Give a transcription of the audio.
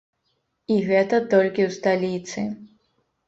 І гэта толькі ў сталіцы!